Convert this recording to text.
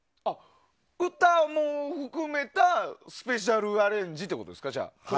歌も含めたスペシャルなアレンジということですか？